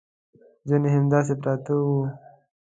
ځینې همداسې پراته وو.